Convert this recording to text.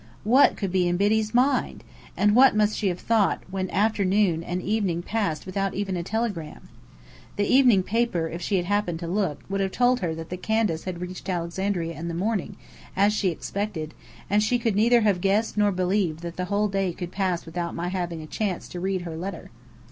What could be in Biddy's mind? And what must she have thought when afternoon and evening passed without even a telegram? The evening paper, if she had happened to look, would have told her that the Candace had reached Alexandria in the morning, as she expected; and she could neither have guessed nor believed that the whole day would pass without my having a chance to read her letter.